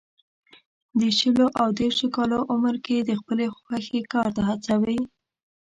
د شلو او دېرشو کالو عمر کې یې د خپلې خوښې کار ته هڅوي.